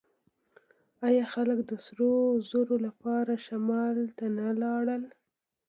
آیا خلک د سرو زرو لپاره شمال ته نه لاړل؟